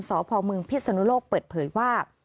สพมพิศนุโลกเปิดเผยว่า